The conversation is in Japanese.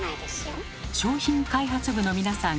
商品開発部の皆さん